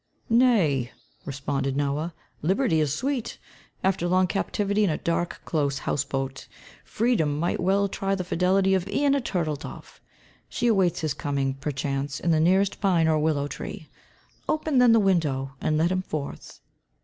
"Nay," responded Noah, "liberty is sweet. After long captivity in a dark, close house boat, freedom might well try the fidelity of e'en a turtle dove. She awaits his coming, perchance, in the nearest pine or willow tree. Open then the window and let him forth."